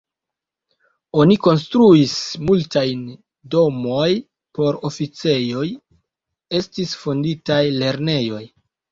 Oni konstruis multajn domoj por oficejoj, estis fonditaj lernejoj.